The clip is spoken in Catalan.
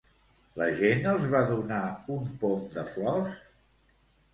La gent els va donar un pom de flors?